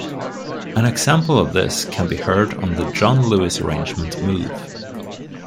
An example of this can be heard on the John Lewis arrangement "Move".